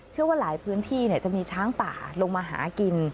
เชื่อว่าหลายพื้นที่จะมีช้างป่าลงมาหากิน